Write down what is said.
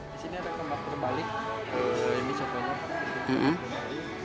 di sini ada kamar terbalik ini contohnya